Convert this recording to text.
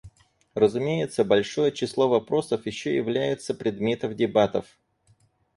Разумеется, большое число вопросов еще являются предметов дебатов.